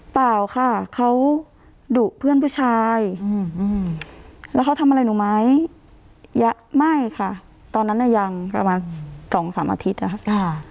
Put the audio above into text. เปล่าค่ะเขาดุเพื่อนผู้ชายแล้วเขาทำอะไรหนูไหมยังไม่ค่ะตอนนั้นน่ะยังประมาณสองสามอาทิตย์อะค่ะ